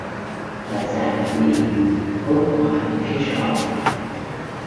Bà dã quỳ hốt hoảng thấy rõ